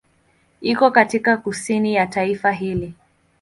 Iko katika kusini ya taifa hili.